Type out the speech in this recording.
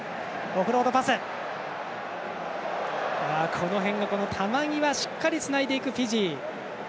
この辺が、球際しっかりつないでいくフィジー。